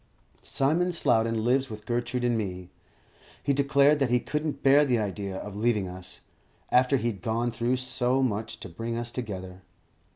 Simon Slowden lives with Gertrude and me. He declared that he couldn't bear the idea of leaving us, after he'd gone through so much to bring us together.